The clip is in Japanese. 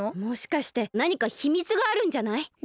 もしかしてなにかひみつがあるんじゃない？